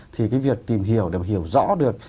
thì cái việc tìm hiểu để hiểu rõ được